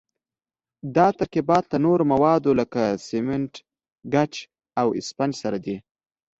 دا ترکیبات له نورو موادو لکه سمنټ، ګچ او اسفنج سره دي.